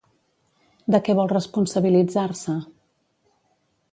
De què vol responsabilitzar-se?